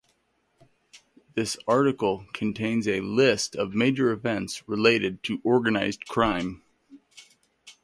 This article contains a list of major events related to organized crime.